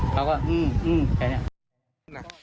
เขาก็อืมแบบนี้